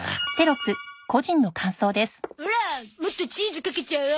オラもっとチーズかけちゃお。